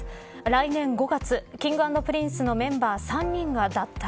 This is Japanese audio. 来年５月Ｋｉｎｇ＆Ｐｒｉｎｃｅのメンバー３人が脱退。